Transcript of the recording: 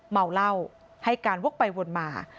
เมาเหล้าให้การวกไปวนมา